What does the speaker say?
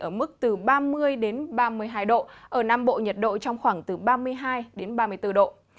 ở mức từ ba mươi ba mươi hai độ ở nam bộ nhiệt độ trong khoảng từ ba mươi hai đến ba mươi bốn độ